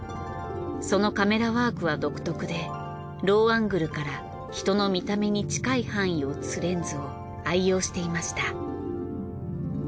そのカメラワークは独特でローアングルから人の見た目に近い範囲を映すレンズを愛用していました。